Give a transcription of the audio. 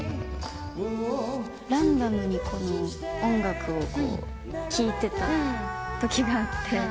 ランダムに音楽を聴いてたときがあって。